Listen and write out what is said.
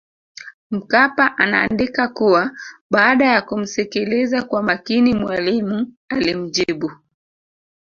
Mkapa anaandika kuwa baada ya kumsikiliza kwa makini Mwalimu alimjibu